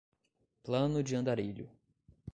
Plano de andarilho